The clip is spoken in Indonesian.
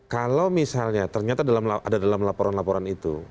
kalau misalnya ternyata ada dalam laporan laporan itu